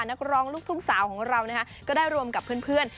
นักร้องลูกทุ่งสาวของเรานะคะก็ได้รวมกับเพื่อน